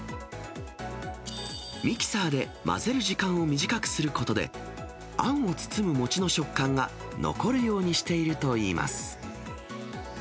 ミキサーで混ぜる時間を短くすることで、あんを包む餅の食感が残るようにしているといいます。